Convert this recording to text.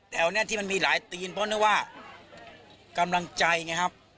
แถวนี้ที่มันมีหลายตีนเพราะนึกว่ากำลังใจไงครับ